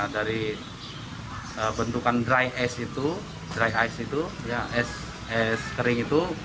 dari bentukan dry ice itu